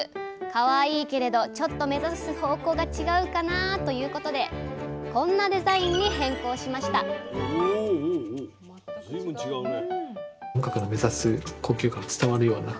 かわいいけれどちょっとめざす方向が違うかなということでこんなデザインに変更しましたお随分違うね。